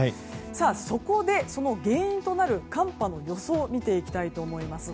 そこで、その原因となる寒波の予想を見ていきたいと思います。